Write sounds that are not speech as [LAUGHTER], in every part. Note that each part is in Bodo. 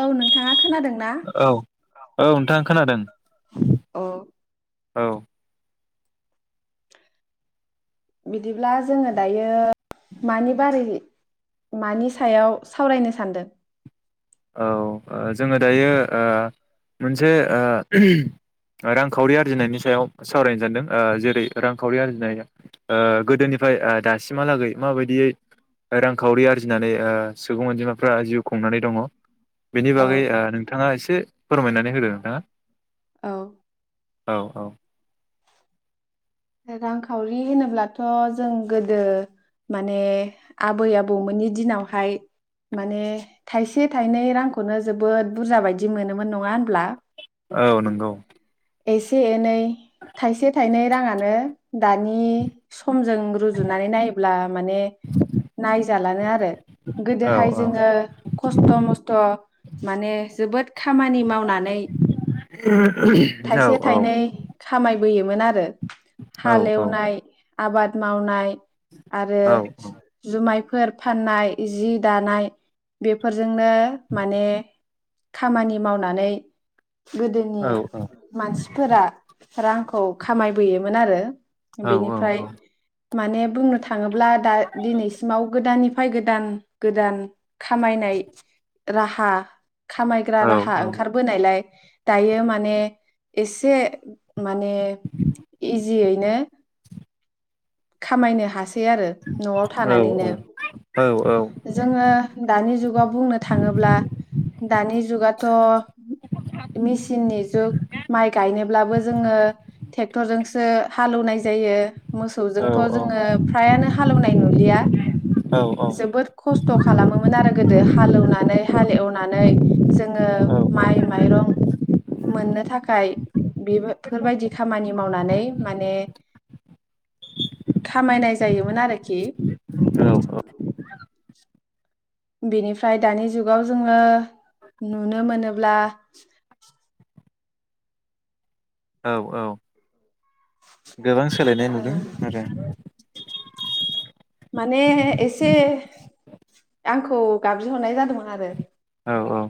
औ नोंथाङा खोनादों ना? औ औ नोंथां खोनादों। अ औ। बिदिब्ला जोंङो दायो मानि बारै मानि सायाव सावरायनो सानदों? औ। जोंङो दायो ओ मोनसे ओ रांखावरि आरजिनायनि सायाव सावरायनो सानदों ओ जेरै रांखावरि आरजिनाया ओ गोदोनिफ्राय ओलदासिमहालागै माबायदियै रांखावरि आरजिनानै ओ सुबुं अनजिमाफ्रा जिउ खुंनानै दङ'। बेनि औ बागै ओ नोंथाङा एसे फोरमायनानै होदो नोंथाङा। औ। औ औ। रांखावरि होनोब्लाथ' जों गोदो माने आबै आबौमोननि दिनावहाय माने थाइसे थाइनै रांखौनो जोबोद बुरजा बायदि मोनोमोन नङा होनब्ला? औ नंगौ। एसे एनै थाइसे थाइनै राङानो दानि स समजों रुजुनानै नायोब्ला माने नायजालानो आरो औ गोदोहाय औ जोंङो खस्थ' मस्थ' माने जोबोद खामानि मावनानै [UNINTELLIGIBLE] औ थाइसे औ थाइनै खामाय बोयोमोन आरो। हालेवनाय आबाद मावनाय आरो औ जुमायफो फोर फाननाय जि दानाय बेफोर जोंनो माने खामानि मावनानै औ गोदोनि मानसिफोरा रांखौ खामायबोयोमोन आरो। औ बेनिफ्राय माने बुंनो था ङोब्ला दा दिनैसिमाव गोदानि फाय गोदान गोदान खामायनाय राहा खामायग्रा राहा औ ओंखारबोनायलाय दायो माने एसे माने इजियैनो खामायनो हास यो आरो न'आव थानानैनो। जोङो दानिजुगाव बुंनो थाङोब्ला दानिजुगाथ' मिसिननि जुग मायगायनोब्लाबो जोङो टेक्टरजोंसो जो हालौनाय जायो मसौ थ' औ जोङो फ्रायानो हालेवनाय नुलिया औ औ जोबोद खस्थ' खालामोमोन आरो गोदो हालेवनानै हालेवनानै जोङो औ माइ माइरं मोननो थाखाय बेबोफोरबायदि खामानि मावनानै माने खामायनाय जायोमोन आरोखि औ बेनिफ्राय दानि जुगाव जोङो नुनो मोनोब्ला औ-औ। गोबां सोलायनाय नुदों आरो। माने एसे आंखौ गाबज्रिहरनाय जादोंमोन आरो। औ औ।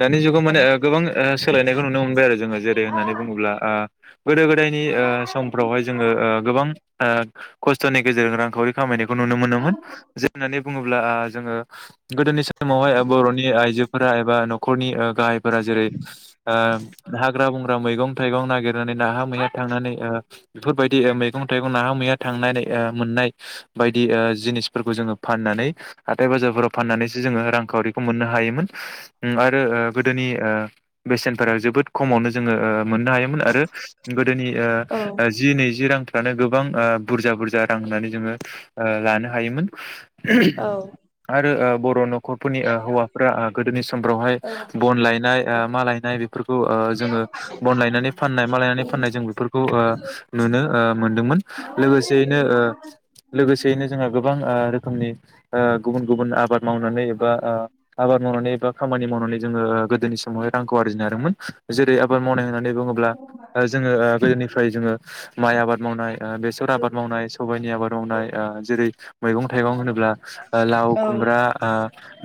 दानि जुगाव माने ओ गोबां ओ सोलायनायखौ नुनो मोनबाय आरो जोङो जेरै होननानै बुङोब्ला ओ गोदो गोदायनि ओ समफ्रावहाय जोङो ओ गोबां ओ खस्थ'नि गेजेरजों रांखावरि खामायनाय खौ नुनो मोन जे [UNINTELLIGIBLE] बुङोब्ला आ जोङो गोदोनि समावहाय [UNINTELLIGIBLE] आइजोफोरा एबा नखरनि ओ गाहायफोरा जेरै ओ हाग्रा बं ग्रा मैंगं थाइगं नागिनानै नाहा मैहा थांनानै ओ बेफोरबायदि ओ मैं थाइगं नाहा मैहा‌ थांनानै ओ मोननाय बायदि ओ जिनिस फोरखौ जोङो फाननानै हाथाय बाजारफोराव फनानैसो जोङो रां खावरि खौ मोननो हायोमोन आरो ओ गोदोनि ओ बेसेनफोरा जोबोद खमावनो जोङो ओ मोननो हायोमोन आरो गोदोनि औ ओ जि नैजि रां माने गोबां बुरजा बुरजा रां होननानै जोङो ओ लानो हायोमोन औ आरो ओ बर' न ख'फोनि ओ हौवाफोरा ओ गोदोनि समफ्रावहाय औ बन लायनाय ओ मा लायनाय बेफोरखौ ओ जोङो बन लायनानै फाननाय मा लायनानै फाननाय जों बेफोरखौ ओ नुनो मोनदोंमोन लोगोसेयैनो ओ लोगोसेयैनो जोंहा गोबां ओ रोखोमनि ओ गुबुन गुबुन आबाद मावनानै एबा ओ आबाद मावनानै बा खामानि मावनानै जोङो गोदोनि समाहाय रांखौ आरजिनो हादोंमोन जेरै आबाद मावनाय होना नै बुङोब्ला जोङो ओ गोदोनिफ्राय जोङो माइ आबाद मावनाय ओ बेसर आबाद मावनाय सबायनि आबाद मावनाय ओ जेरै मैगं थाइगं होनोब्ला ओ लाव औ खुमब्रा ओ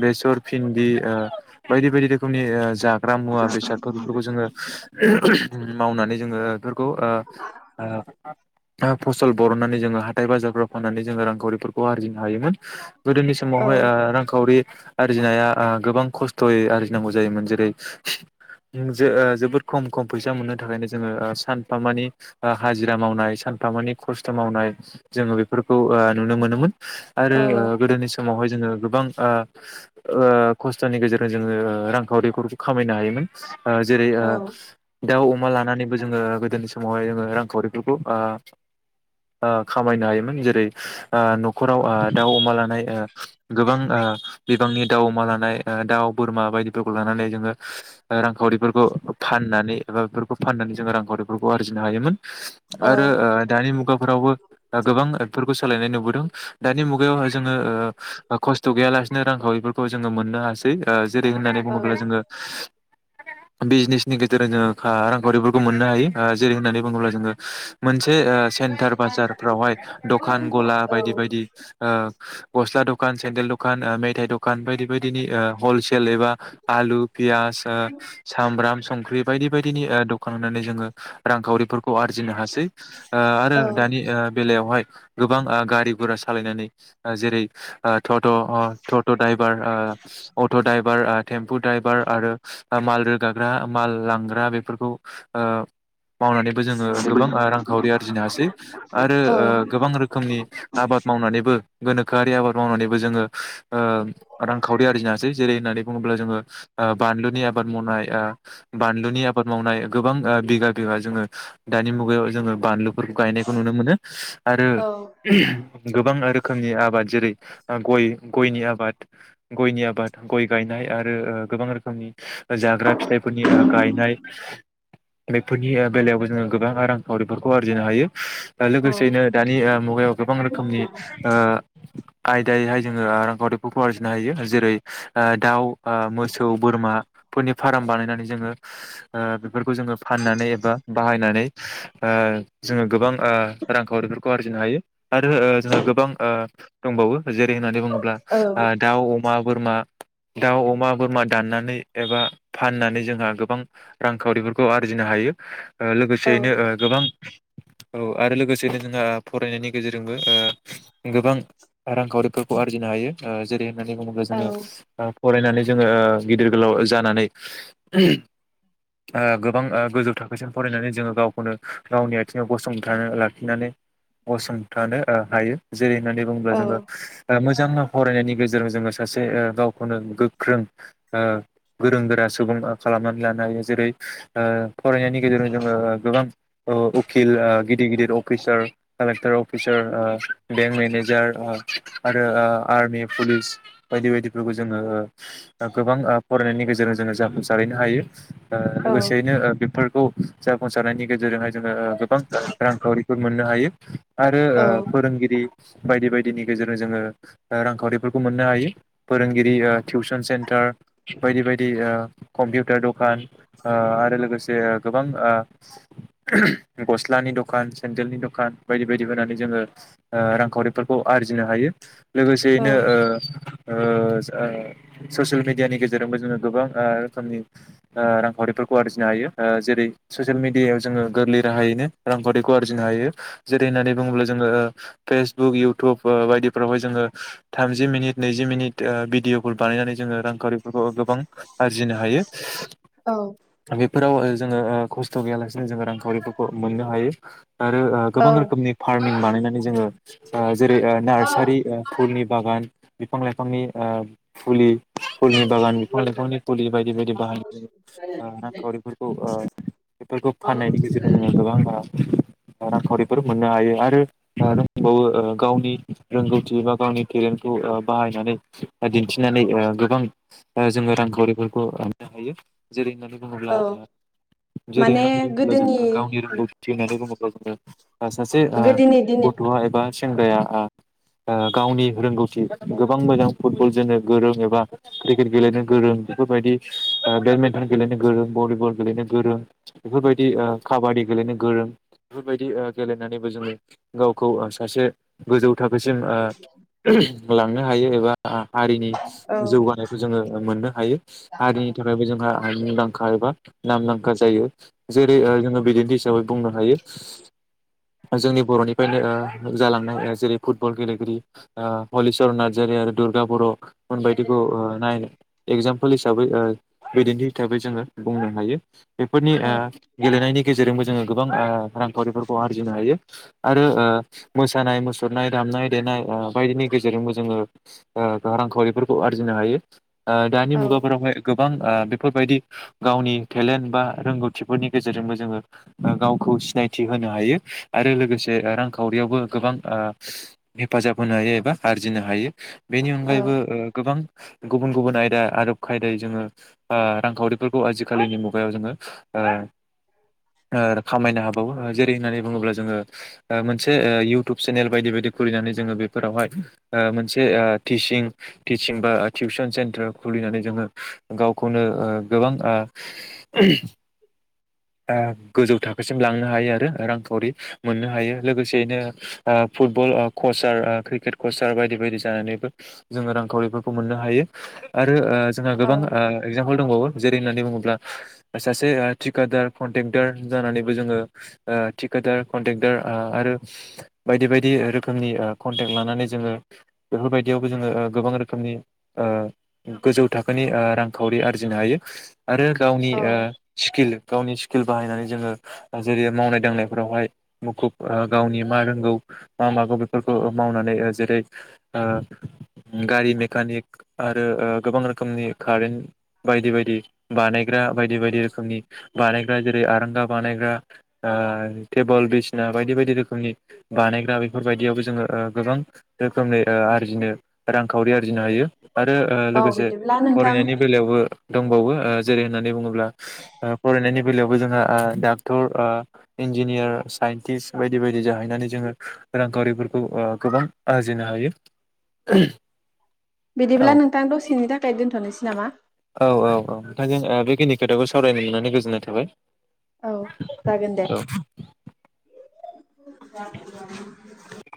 बेसर भिन्दी ओ बायदि बायदि रोखोमनि ओ जा हाग्रा मुवा बेसाद बेफोरखौ जोङो मावनानै जोङो बेफोरखौ ओ ओ फसल बरननानै जोङो हाथाय बाजारफ्राव फाननानै जोङो रांखाविफोरखौ आर्जिनो हायोमोन। गोदोनि औ समावहाय ओ रांखावरि आरजिनाया गोबां खस्थ'यै आरजिनांगौ जायोमोन जेरै ज जोबोद खम खम फैसा मोननो थाखायनो जोङो सानफाामानि हाजिरा मावनाय सानफाामानि खस्थ' मावनाय जोङो बेफोरखौ ओ नुनो मोनोमोन। आरो औ ओ गोदोनि समावहाय जोङो गोबां ओ ओ खस्थ'नि गेजेरजों जोङो रांखावरिफोरखौ खामायनो हायोमोन। जेरै औ ओ दाउ अमा लानानैबो जोङो गोदोनि समावहाय जोङो रांखावरिफोरखौ ओ ओ खामायनो हायोमोन जेरै ओ न'खराव ओ दाउ अमा लानाय गोबां बिबांनि दाउ अमा लानाय दाउ बोरमा बायदिफोरखौ लानानै जोङो रांखावरिफोरखौ फाननानै एबा बेफोरखौ फाननानै जोङो रांखावरिफोरखौ आरजिनो हायोमोन। औ आरो ओ दानि मुगाफोरावबो गोबां सालायनाय नुबोदों दानि मुगायाव जोङो ओ खस्थ गैयालासे [UNINTELLIGIBLE] जोङो मोननो हासै ओ जेरै होननानै बुङोब्ला जोङो बिजनेसनि गेजेरजों जोङो रांखावरिफोरखौ मोननो हायो जेरै होननानै बुङोब्ला जोङो मोनसे एसे सेन्टार बाजारफ्रावहाय दखान गला बायदि बायदि ओ गस्ला दखान सेनडेल दखान मेथाइ दखान दुखान बायदि बायदिनि ओ हलसेल एबा आलु पियास सामब्राम संख्रि बायदि बायदिनि ओ दखान होननानै जोङो रांखावरिफोरखौ आरजिनो हासै ओ आरो दानि बेलायावहाय गोबां ओ गारि गरा सालायनानै जेरै ओ ट'ट अट' द्राइभार ओ अट' द्राइभार ओ टेम्पु ड्राइभार आरो माल रोगाग्रा माल लांग्रा बेफोरखौ ओ मावनानैबो जोङो गोबां रांखावरि आरजिनो हासै आरो गोबां ओ रोखोमनि आबाद मावनानैबो गोनो थाखोआरि आबाद मावनानैबो जोङो ओ रांखावरि आरजिनोासै जेरै होननानै बुङोब्ला जोङो ओ बानलुनि आबाद मावनाय बानलुनि आबाद मावनाय गोबां बिगा बिगा जोङो दानि मुगायाव जोङो बानलु फोरखौ गायनायखौ नुनो मोनो आरो गोबां आरो रोखोमनि आबाद जेरै गय गयनि आबाद गयनि आबाद गय गायनाय आरो ़ गोबां रोखोमनि जाग्रा फिथाइफोरनि गायनाय बेफोरनि ओ बेलायावबो जोङो गोबां रांखावरिफोरखौ आरजिनो हायो। लोगोसेयैनो दानि ओ मुगायाव गोबां रोखोमनि ओ आयदायैहाय जों ङो रांखावरिफोरखौ आरजिनो हायो जेरै ओ दाउ ओ मोसौ बोरमा फोरनि फाराम बानायनानै जोङो ओ बेफोरखौ जोङो फाननानै एबा बाहायनानै ओ जोङो गोबां ओ रांखावरिफोरखौ आरजिनो हायो। आरो ओ जोंहा गोबां ओ दंबावो जेरै होननानै बुङोब्ला आ दाउ, अमा, बोरमा दाउ, अमा, बोरमा दाननानै एबा फाननानै जोंहा गोबां रांखावरिफोरखौ आरजिनो हायो। ओ लोगोसेयैनो ओ गोबां औ आरो लोगोसेनो जोंहा फरायनायनि गेजेरजोंबो ओ गोबां रांखावरि आरजिनो हायो ओ जेरै होननानै बुङोब्ला जोङो ओ फरायनानै जोङो ओ गिदिर गोलाव जानानै ओ गोबां ओ गोजौ थाखोसिम फरायनानै जोङो गावखौनो गावनि आथिङाव गसंथानो लाखिनानै गसंथानो ओ हायो। जेरै होननानै बुङोब्ला जोङो मोजां फरायनायनि गेजेरजों जोङो सासे ओ गावखौनो गोख्रों ओ गोरों गोरा सुबुं खालामनानै लानो हायो जेरै ओ फरायनायनि गेजेरजों जोङो ओ गोबां उखिल गिदिर गिदिर अफिसार कालेक्टर अफिसार ओ बेंक मेनेजार ओ आरो ओ आरमि पुलिस बायदि बायदिफोरखौ जोङो ओ गोबां ओ फरायनायनि गेजे [UNINTELLIGIBLE] जोङो जाफुं जायैनो हायो ओ लोगोसेयैनो ओ बेफोरखौ जाफुंसारनायनि गेजेरजोंहाय जोङो ओ गोबां रांखावरिफोर मोननो हायो। [INAUDIBLE] आरो ओ फोरोंगिरि बायदि बायदिनि गेजेरजों जोङो ओ रांखाउरिफोरखौ मोननो हायो फोरोंगिरि ओ थिउसन सेन्थार बायदि बायदि ओ कमपिउटार दखान ओ आरो लोगोसे गोबां ओ गस्लानि दखान सेन्देलनि दखान बायदि बायदि होनानै जोङो ओ रांखावरिफोरखौ आर जिनो हायो। औ लोगोसेयैनो ओ ओ सो ओ ससियेल मिडियानि गेजेरजोंबो जोङो गोबां ओ रोखोमनि ओ रांखावरिफोरखौ आरजिनो हायो ओ जेरै ससियेल मेडियायाव जोङो गोरलै राहायैनो रांखावरिखौ आरजिनो हायो जेरै होननानै बुङोब्ला जोङो फेसबुक इयउथुब बो बायदिफोरावहाय जोङो थामजि मिनिट नैजि मिनिट ओ भिदिअ'फोर बानायनानै जोङो रांखावरिफोरखौ गोबां आरजिनो हायो [UNINTELLIGIBLE] फोराव ओ जोङो ओ खस्थ' गैयालासिनो जोङो रांखावरिफोरखौ मोननो हायो। आरो ओ औ गोबां रोखोमनि फार्मिं बानायनानै जोङो ओ जै नार्सारि ओ फुलनि बागान। बिफां लाइफांनि ओ फुलि फुलनि बागान बिफां लाइफांनि फुलि बायदि बायदि बाहायना रांखावरिफोरखौ ओ बेफोरखौ फाननायनि गेजेरजों जोङो गोबां रांखावरिफोर मोननो हायो आरो जोंहा दंबावो ओ गावनि रोंगौथि बा गावनि टेलेन्टखौ ओ बाहायनानै दिन्थिनानै ओ गोबां जोङो रांखावरिफोरखौ मोननो हायो जेरै होननानै बुङोब्ला औ ओ जेरै माने होननानै बुङोब्ला गोदोनि जोङो गावनि रोंगौथि होननानै बुङोब्ला जोङो सासे ओ गोदोनि दिनै गथ'वा एबा सेंग्राया आ ओ गावनि रोंगौथि गोबां मोजां फुटबल जोनो गोरों एबा क्रिकेट गेलेनो गोरों बेफोरबायदि आ मेथाइ गेलेनो गोरों बलिबल गेलेनो गोरों बेफोरबायदि ओ खाबादि गेलेनो गोरों बेफोरबायदि ओ गेलेनाबो जोङो गावखौ ओं सासे गोजौ थाखोसिम ओ लाङो हायो एबा हा हारिनि औ जौगानायखौ जोङो मोननो हायो हारिनि थाखायबो जोंहा मुंदांखा एबा नामदांखा जायो जेरै जोङो बिदिन्थि हिसाबै बुंनो हायो जेरै ओ बिदिन्थि हिसाबै बुंनो हायो जोंनि बरनिफ्राइनो ओ जालां नाय जेरै फुटबल गेलेगिरि ओ हलिसरन नार्जारि आरो दुरगा बर मोनबायदिखौ ओ नायनो इखजाम पुलहिसाबै ओ बिदिन्थि हिसाबै दोननो हायो बेफोरनि औ ओ गेलेनायनि गेजेरबो जोंङो गोबां ओ रांखावरिफोरखौ आरजिनो हायो आरो ओ मो सानाय मुसुरनाय दामनाय देनाय ओ बायदिनि गेजेरजोंबोजोङो ओ रांखावरिफोरखौ आरजिनो हायो ओ दानि मुगाफोरावहाय गोबां ओ बेफोरबायदि गावनि टेलेन्ट बा रोंगौथिफोरनि गेजेरजोंबो जोङो गावखौ सिनायथि होनो हायो आरो लोगोसे रांखावरियावबो गोबां ओ हेफाजाब होनो हायो एबा आरजिनो हायो बेनि औ अनगायैबो ओ गोबां गुबुन गुबुन आयदा आदब खायदायै जोङो ओ रांखावरिफोरखौ आजिखालिनि मुगायाव जोङो ओ ओ खामायनो हाबावो जेरै होननानै बुङोब्ला जोङो ओ मोनसे इ टुब चेनेल बायदि बायदि खुलिनानै जोङो बेफोरावहाय आ मोनसे आ टिसिं टिसिं बा टिउसन सेन्टार खुलिनानै जोङो गावखौनो ओ गोबां ओ आ गोजै थाखोसिम लांनोहायो आरो रांखावरि मोननो हायो लोगोसेयैनो फुटबल ओ कचार ओ क्रिकेट कचार बायदि बायदि जानानैबो जोङो रांखावरिफोरखौ मोननो हायो आरो ओ जोंहा औ गोबां ओ एखजामपुल दंबावो जेरै होननानै बुङोब्ला सासे थिकादार कन्ट्रेक्टार जानानैबो जोङो ओ थिकादार कन्ट्रेक्टार आ आरो बायदि बायदि रोखोमनि ओ कन्टेक्ट लानानै जोङो बेफोरबायदियावबो जोङो ओ गोबां रोखोमनि ओ गोजौ थाखोनि ओ रांखावरि आरजिनो हायो आरो गावनि औ ओ स्किल गावनि स्किल बाहायनानै जोङो जेरै मावनाय दांनायफोरावहाय मुखुब ओ गावनि मा रोंगौ मा माबा बेफोरखौ मावनानै ओ जेरै ओ गारि मेकानिक आरो ओ गोबां रोखोमनि कारेन्ट बायदि बायदि बानायग्रा बायदि बायदि रोखोमनि बानायग्रा जेरै आरांगा बानायग्रा ओ टेबोल बिसिना बायदि बायदि रोखोमनि बानायग्रा बेफोरबायदियावबो जोङो ओ गोबां रोखोमै ओ आरजिनो रांखावरि आरजिनो हायो आरो ओ औ लोगोसे बिदिब्ला नोंथां फरायनायनि बेलायावबो दंबावो जेरै होननानै बुङो अब्ला फरायनायनि बेलायावबो जोंहा ओ डाक्टर ओ इन्जिनियार साइन्टिस्ट बायदि बायदि जाहैनानै जोङो रांखावरिफोरखौ ओ गोबां आरजिनो हायो। औ बिदिब्ला नोंथां दसेनि थाखाय दोन्थ'नोसै नामा? ना जोंओ बेखिनि खोथाखौ सावरायनो मोनानै गोजोननाय थाबाय। औ जागोन दे। औ [INAUDIBLE]